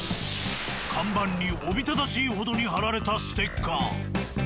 看板におびただしいほどに貼られたステッカー。